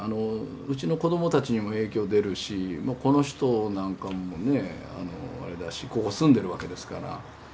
うちの子どもたちにも影響出るしこの人なんかもねあれだしここ住んでるわけですから。